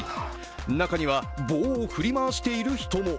中には、棒を振り回している人も。